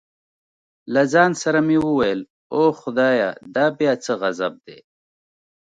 له ځان سره مې وویل اوه خدایه دا بیا څه غضب دی.